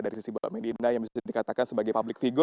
dari sisi mbak medina yang bisa dikatakan sebagai public figure